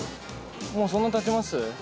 もうそんな経ちます？